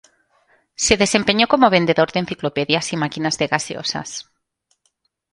Se desempeñó como vendedor de enciclopedias y máquinas de gaseosas.